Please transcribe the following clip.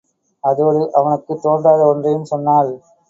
அதோடு அவனுக்குத் தோன்றாத ஒன்றையும் சொன்னாள்.